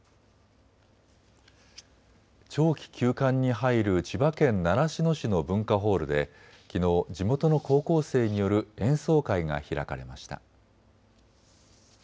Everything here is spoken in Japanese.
長期休館に入る千葉県習志野市の文化ホールできのう地元の高校生による演奏会が開かれました。